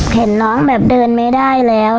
เห็นน้องแบบเดินไม่ได้แล้ว